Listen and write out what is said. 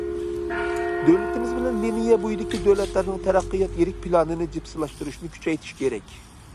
دۆلىتىمىز بىلەن لىنىيە بويىدىكى دۆلەتلەرنىڭ تەرەققىيات يىرىك پىلانىنى جىپسىلاشتۇرۇشنى كۈچەيتىش كېرەك.